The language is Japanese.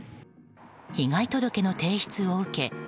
被害届の提出を受け